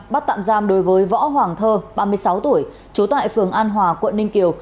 bắt tạm giam đối với võ hoàng thơ ba mươi sáu tuổi trú tại phường an hòa quận ninh kiều